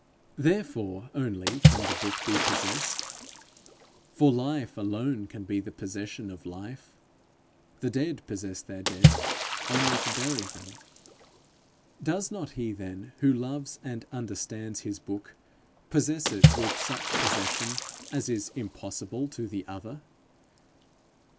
Therefore only can the book be possessed, for life alone can be the possession of life. The dead possess their dead only to bury them. Does not he then, who loves and understands his book, possess it with such possession as is impossible to the other?